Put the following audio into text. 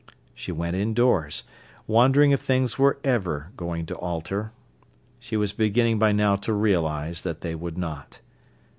She went indoors, wondering if things were never going to alter. She was beginning by now to realise that they would not.